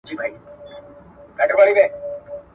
په وطن کي نه مکتب نه مدرسه وي ,